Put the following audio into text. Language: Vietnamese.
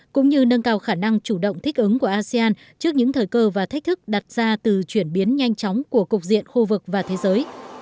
cũng như nâng cao khả năng chủ động thích ứng của asean trước những thời cơ và thách thức đặt ra từ chuyển biến nhanh chóng của cục diện khu vực và thế giới